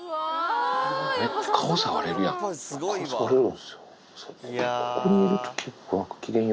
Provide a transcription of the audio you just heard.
顔、触れるんですよ。